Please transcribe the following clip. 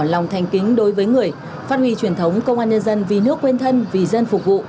lòng thành kính đối với người phát huy truyền thống công an nhân dân vì nước quên thân vì dân phục vụ